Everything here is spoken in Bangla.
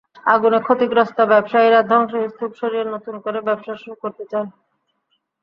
আগুনে ক্ষতিগ্রস্ত ব্যবসায়ীরা ধ্বংসস্তূপ সরিয়ে নতুন করে ব্যবসা শুরু করতে চান।